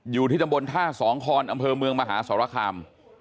อยู่ที่ตำบลท่าสองคอนอำเภอเมืองมหาสรคาม